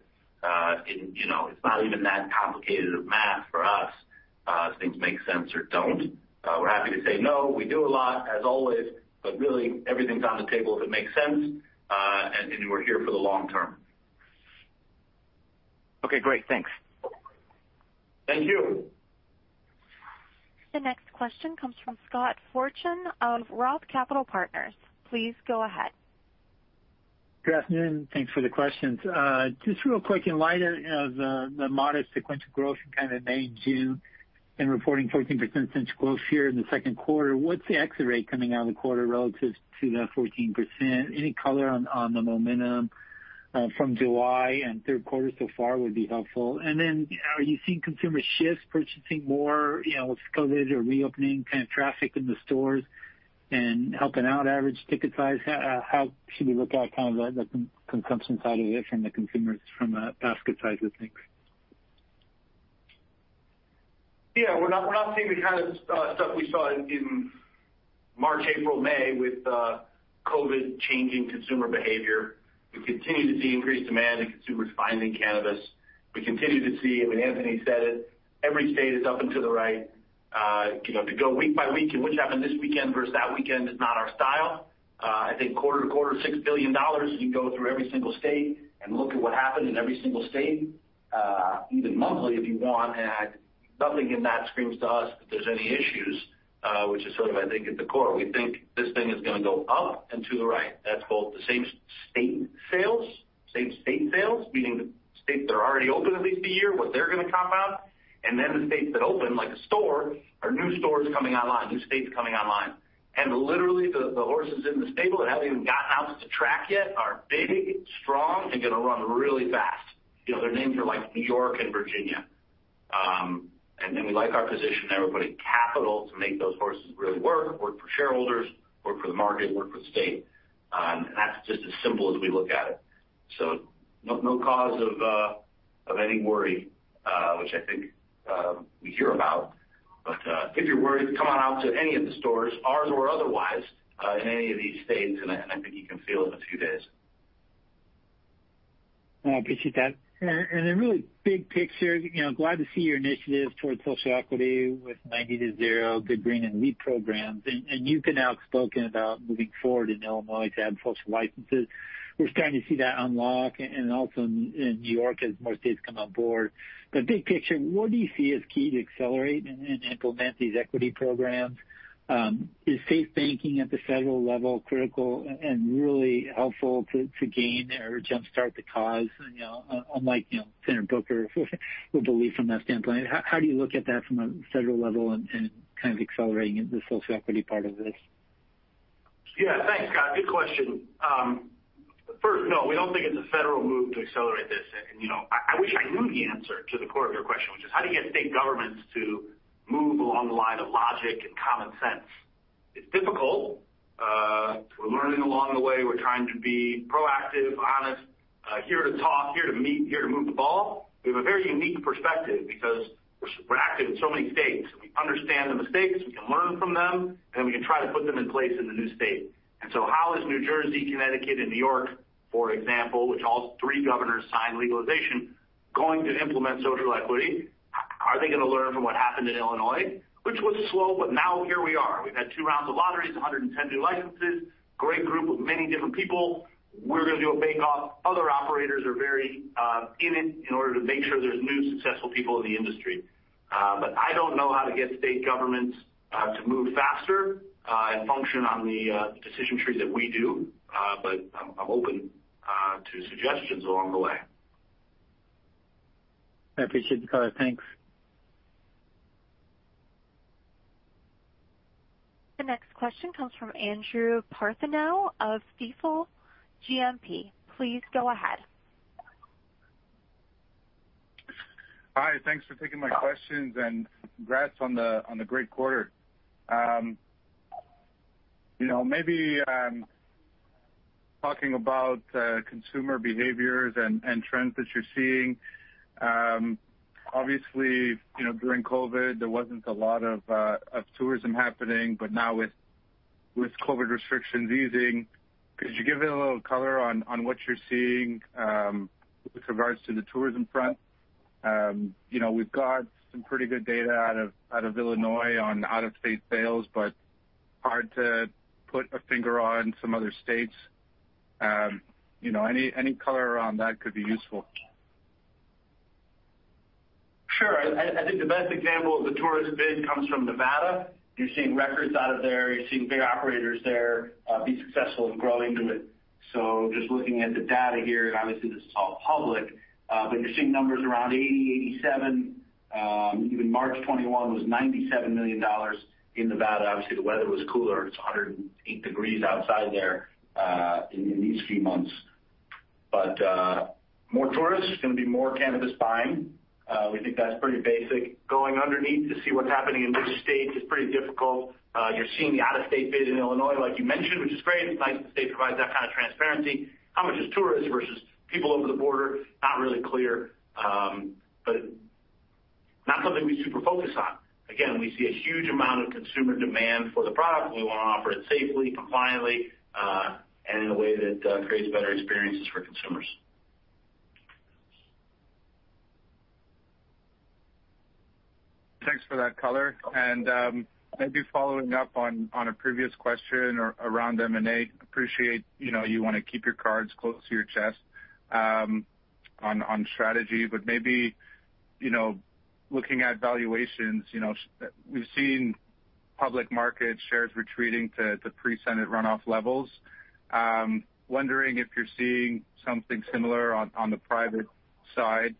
It's not even that complicated of math for us if things make sense or don't. We're happy to say no. We do a lot, as always, but really everything's on the table if it makes sense, and we're here for the long term. Okay, great. Thanks. Thank you. The next question comes from Scott Fortune of ROTH Capital Partners. Please go ahead. Good afternoon. Thanks for the questions. Just real quick, in light of the modest sequential growth in kind of May and June and reporting 14% same-store growth here in the second quarter, what's the exit rate coming out of the quarter relative to that 14%? Any color on the momentum from July and third quarter so far would be helpful. Then are you seeing consumer shifts, purchasing more with COVID or reopening kind of traffic in the stores and helping out average ticket size? How should we look at kind of the consumption side of it from the consumers, from a basket size of things? Yeah, we're not seeing the kind of stuff we saw in March, April, May with COVID changing consumer behavior. We continue to see increased demand and consumers finding cannabis. We continue to see, I mean, Anthony said it, every state is up and to the right. To go week by week and which happened this weekend versus that weekend is not our style. I think quarter to quarter, $6 billion, you can go through every single state and look at what happened in every single state, even monthly if you want, and nothing in that screams to us that there's any issues, which is sort of, I think, at the core. We think this thing is going to go up and to the right. That's both the same state sales, meaning the states that are already open at least 1 year, what they're going to comp out, and then the states that open, like a store, or new stores coming online, new states coming online. Literally, the horses in the stable that haven't even gotten out to the track yet are big, strong, and going to run really fast. Their names are like New York and Virginia. Then we like our position there. We're putting capital to make those horses really work for shareholders, work for the market, work for the state. That's just as simple as we look at it. No cause of any worry, which I think we hear about. If you're worried, come on out to any of the stores, ours or otherwise, in any of these states, and I think you can feel it in a few days. No, I appreciate that. Really big picture, glad to see your initiatives towards social equity with NinetyToZero, Good Green and LEAP programs, and you've been outspoken about moving forward in Illinois to add social licenses. We're starting to see that unlock and also in New York as more states come on board. Big picture, what do you see as key to accelerate and implement these equity programs? Is safe banking at the federal level critical and really helpful to gain or jumpstart the cause? Unlike Senator Booker would believe from that standpoint. How do you look at that from a federal level and kind of accelerating the social equity part of this? Yeah. Thanks, Scott. Good question. First, no, we don't think it's a federal move to accelerate this. I wish I knew the answer to the core of your question, which is how do you get state governments to move along the line of logic and common sense? It's difficult. We're learning along the way. We're trying to be proactive, honest, here to talk, here to meet, here to move the ball. We have a very unique perspective because we're active in so many states, we understand the mistakes, we can learn from them, and we can try to put them in place in the new state. How is New Jersey, Connecticut, and New York, for example, which all three governors signed legalization, going to implement social equity? Are they going to learn from what happened in Illinois, which was slow, but now here we are. We've had two rounds of lotteries, 110 new licenses, great group of many different people. We're going to do a bake-off. Other operators are very in it in order to make sure there's new successful people in the industry. I don't know how to get state governments to move faster and function on the decision tree that we do. I'm open to suggestions along the way. I appreciate the color. Thanks. The next question comes from Andrew Partheniou of Stifel GMP. Please go ahead. Hi. Thanks for taking my questions, and congrats on the great quarter. Maybe talking about consumer behaviors and trends that you're seeing. Obviously, during COVID, there wasn't a lot of tourism happening. Now with COVID restrictions easing, could you give a little color on what you're seeing with regards to the tourism front? We've got some pretty good data out of Illinois on out-of-state sales, but hard to put a finger on some other states. Any color around that could be useful. Sure. I think the best example of the tourist biz comes from Nevada. You're seeing records out of there. You're seeing big operators there be successful and grow into it. Just looking at the data here, and obviously this is all public, but you're seeing numbers around 80, 87. Even March 21 was $97 million in Nevada. Obviously, the weather was cooler. It's 108 degrees outside there in these few months. More tourists is going to be more cannabis buying. We think that's pretty basic. Going underneath to see what's happening in which states is pretty difficult. You're seeing the out-of-state biz in Illinois, like you mentioned, which is great. It's nice that the state provides that kind of transparency. How much is tourists versus people over the border? Not really clear, but not something we super focus on. Again, we see a huge amount of consumer demand for the product. We want to offer it safely, compliantly, and in a way that creates better experiences for consumers. Thanks for that color. Maybe following up on a previous question around M&A. Appreciate you want to keep your cards close to your chest. On strategy, maybe looking at valuations. We've seen public market shares retreating to pre-Senate runoff levels. Wondering if you're seeing something similar on the private side,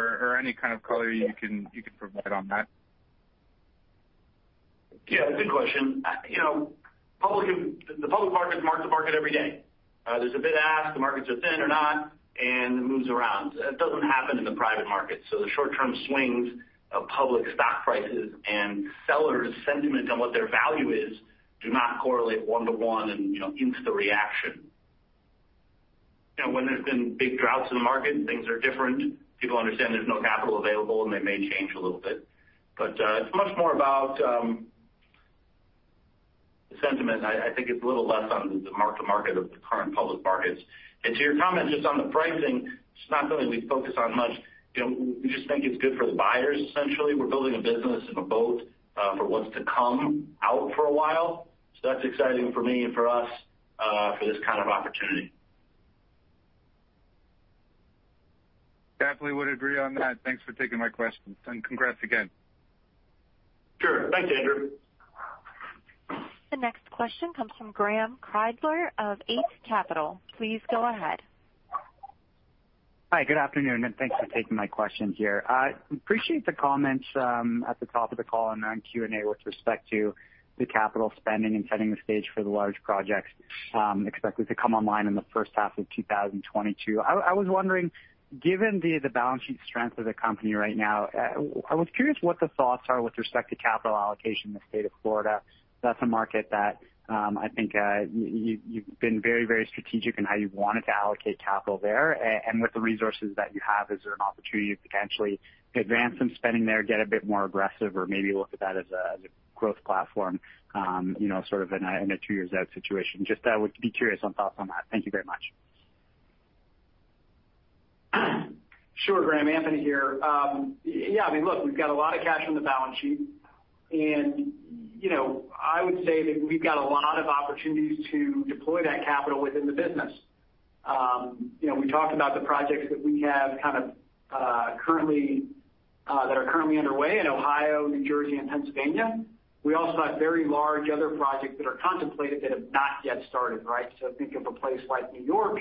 or any kind of color you can provide on that. Yeah. Good question. The public markets mark the market every day. There's a bid-ask, the markets are thin or not, and it moves around. That doesn't happen in the private market. The short-term swings of public stock prices and sellers' sentiment on what their value is do not correlate one-to-one and instant reaction. When there's been big droughts in the market and things are different, people understand there's no capital available, and they may change a little bit. It's much more about sentiment. I think it's a little less on the mark-to-market of the current public markets. To your comment just on the pricing, it's not something we focus on much. We just think it's good for the buyers, essentially. We're building a business and a boat for what's to come out for a while. That's exciting for me and for us, for this kind of opportunity. Definitely would agree on that. Thanks for taking my question. Congrats again. Sure. Thanks, Andrew. The next question comes from Graeme Kreindler of Eight Capital. Please go ahead. Hi, good afternoon, and thanks for taking my question here. Appreciate the comments at the top of the call and on Q&A with respect to the capital spending and setting the stage for the large projects expected to come online in the first half of 2022. I was wondering, given the balance sheet strength of the company right now, I was curious what the thoughts are with respect to capital allocation in the state of Florida. That's a market that I think you've been very strategic in how you've wanted to allocate capital there. With the resources that you have, is there an opportunity to potentially advance some spending there, get a bit more aggressive, or maybe look at that as a growth platform, sort of in a two years out situation? Just would be curious on thoughts on that. Thank you very much. Sure, Graeme. Anthony here. Look, we've got a lot of cash on the balance sheet, and I would say that we've got a lot of opportunities to deploy that capital within the business. We talked about the projects that are currently underway in Ohio, New Jersey and Pennsylvania. We also have very large other projects that are contemplated that have not yet started. Think of a place like New York,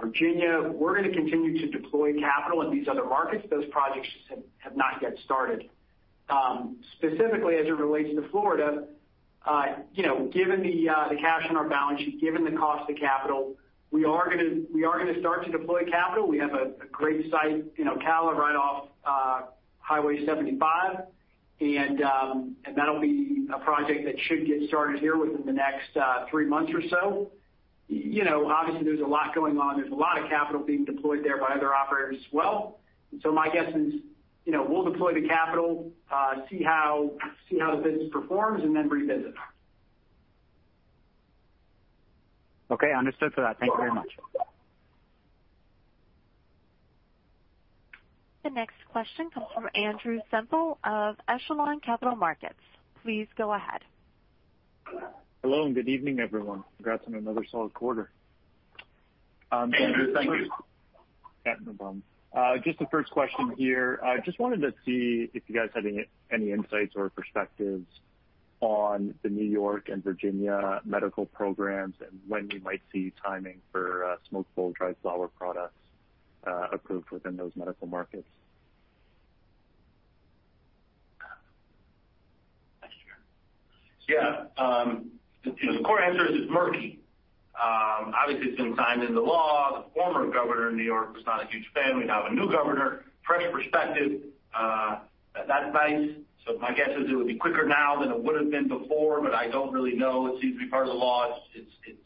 Virginia. We're going to continue to deploy capital in these other markets. Those projects just have not yet started. Specifically as it relates to Florida, given the cash on our balance sheet, given the cost of capital, we are going to start to deploy capital. We have a great site in Ocala right off Highway 75, and that'll be a project that should get started here within the next three months or so. Obviously, there's a lot going on. There's a lot of capital being deployed there by other operators as well. My guess is, we'll deploy the capital, see how the business performs, and then revisit. Okay. Understood for that. Thank you very much. The next question comes from Andrew Semple of Echelon Capital Markets. Please go ahead. Hello, and good evening, everyone. Congrats on another solid quarter. Andrew, thank you. Yeah, no problem. Just the first question here. Just wanted to see if you guys had any insights or perspectives on the N.Y. and Virginia medical programs, and when we might see timing for smokeable dried flower products approved within those medical markets? Yeah. The short answer is it's murky. Obviously, it's been signed into law. The former governor in New York was not a huge fan. We now have a new governor, fresh perspective. That's nice. My guess is it would be quicker now than it would've been before, but I don't really know. It seems to be part of the law. It's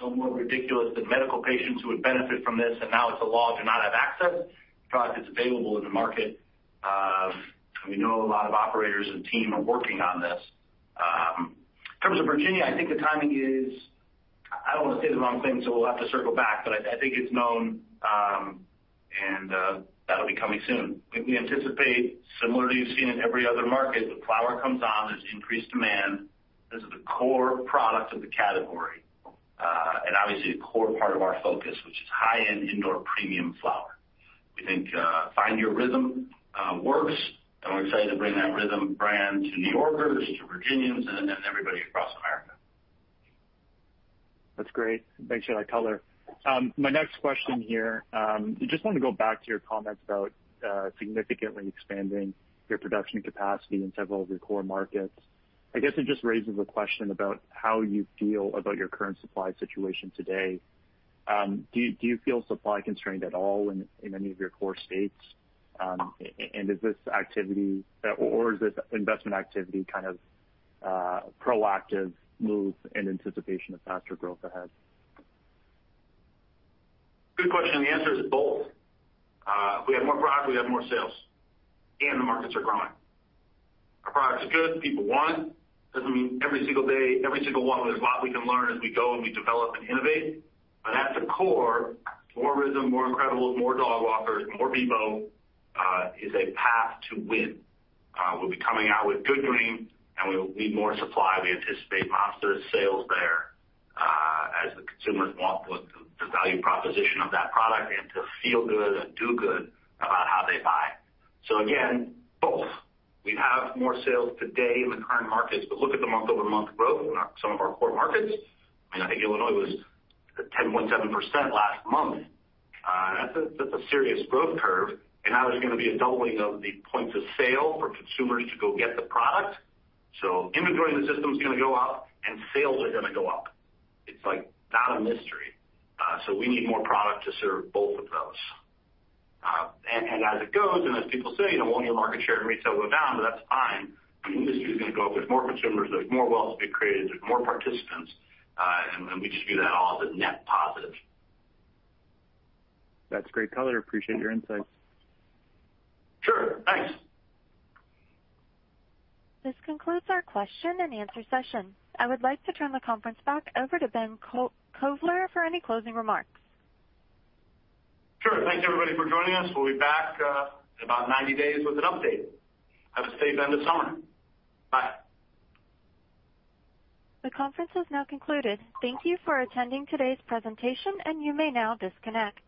so more ridiculous that medical patients who would benefit from this, and now it's a law, do not have access. The product is available in the market. We know a lot of operators and team are working on this. In terms of Virginia, I think the timing is, I don't want to say the wrong thing. We'll have to circle back, but I think it's known, and that'll be coming soon. We anticipate similarly to what you've seen in every other market, the flower comes on, there's increased demand. This is the core product of the category, and obviously a core part of our focus, which is high-end indoor premium flower. We think Find Your RYTHM works, and we're excited to bring that RYTHM brand to New Yorkers, to Virginians, and then everybody across America. That's great. Thanks for that color. My next question here, just want to go back to your comments about significantly expanding your production capacity in several of your core markets. I guess it just raises a question about how you feel about your current supply situation today. Do you feel supply constrained at all in any of your core states? Or is this investment activity kind of a proactive move in anticipation of faster growth ahead? Good question. The answer is both. If we have more product, we have more sales, and the markets are growing. Our product's good. People want it. Doesn't mean every single day, every single one, there's a lot we can learn as we go and we develop and innovate. At the core, more RYTHM, more incredibles, more Dogwalkers, more Beboe, is a path to win. We'll be coming out with Good Green, and we will need more supply. We anticipate monstrous sales there, as the consumers want both the value proposition of that product and to feel good and do good about how they buy. Again, both. We have more sales today in the current markets, but look at the month-over-month growth in some of our core markets. I think Illinois was at 10.7% last month. That's a serious growth curve. Now there's going to be a doubling of the points of sale for consumers to go get the product. Inventory in the system's going to go up, and sales are going to go up. It's not a mystery. We need more product to serve both of those. As it goes, and as people say, won't your market share in retail go down? That's fine. The industry's going to grow up. There's more consumers. There's more wealth to be created. There's more participants. We just view that all as a net positive. That's great color. Appreciate your insights. Sure. Thanks. This concludes our question and answer session. I would like to turn the conference back over to Ben Kovler for any closing remarks. Sure. Thank you, everybody, for joining us. We'll be back in about 90 days with an update. Have a safe end of summer. Bye. The conference has now concluded. Thank you for attending today's presentation, and you may now disconnect.